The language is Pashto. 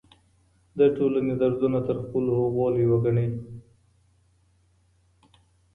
د ټولني دردونه تر خپلو هغو لوی وګڼئ.